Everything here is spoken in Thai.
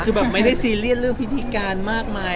คือแบบไม่ได้ซีเรียสเรื่องพิธีการมากมาย